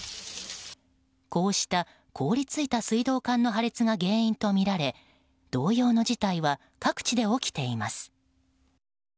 こうした凍り付いた水道管の破裂が原因とみられ同様の事態は各地で起きています。